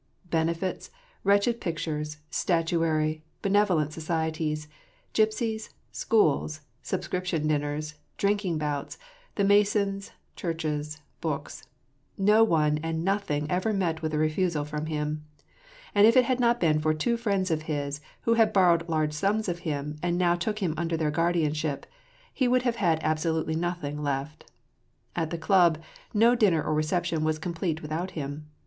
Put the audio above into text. Benefits, wretched pictures, statuary, benevolent societies, gypsies, schools, sub scription dinners, drinking bouts, the Masons, churches, books, — no one and nothing ever met with a refusal from him ; and if it had not been for two friends of his, who had borrowed large sums of him and now took him under their guardianship, he would have had absolutely nothing left. At the club, no din ner or reception was complete without him.